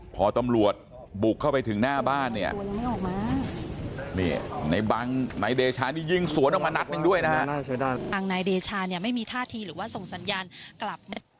พอตำรวจบุกเข้าไปถึงหน้าบ้านเนี่ยในบังนายเดชานี่ยิงสวนออกมานัดหนึ่งด้วยนะฮะ